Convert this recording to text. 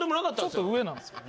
ちょっと上なんですね。